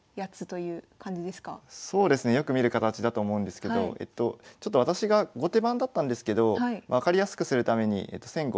そうですねよく見る形だと思うんですけどちょっと私が後手番だったんですけど分かりやすくするために先後を反転させています。